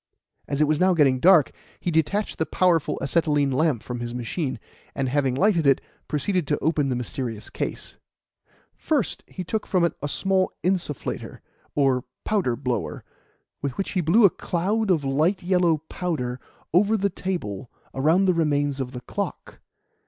As it was now getting dark, he detached the powerful acetylene lamp from his machine, and, having lighted it, proceeded to open the mysterious case. First he took from it a small insufflator, or powder blower, with which he blew a cloud of light yellow powder over the table around the remains of the clock.